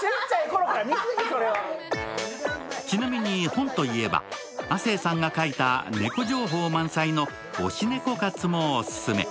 ちなみに本といえば亜生さんが書いた猫情報満載の「推しネコ活」もオススメ。